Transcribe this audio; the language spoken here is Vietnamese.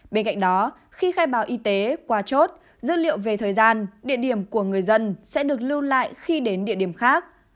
bên cạnh đó khi khai báo y tế qua chốt dữ liệu về thời gian địa điểm của người dân sẽ được lưu lại khi đến địa điểm khác